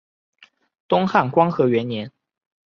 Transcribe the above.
东汉光和元年。